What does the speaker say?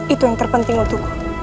itu yang terpenting untukku